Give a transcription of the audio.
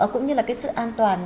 cũng như là sự an toàn